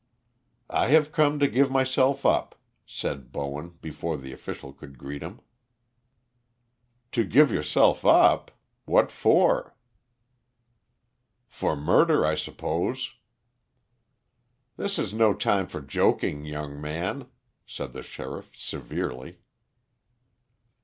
"I have come to give myself up," said Bowen, before the official could greet him. "To give yourself up? What for?" "For murder, I suppose." "This is no time for joking, young man," said the sheriff, severely.